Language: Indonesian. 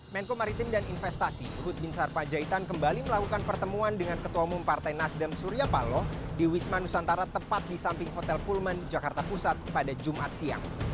menko maritim dan investasi luhut bin sarpajaitan kembali melakukan pertemuan dengan ketua umum partai nasdem surya paloh di wisma nusantara tepat di samping hotel pullman jakarta pusat pada jumat siang